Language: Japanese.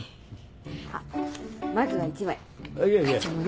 あっまずは１枚課長に。